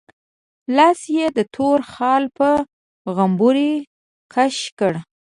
لاس يې د تور خال په غومبري کش کړ.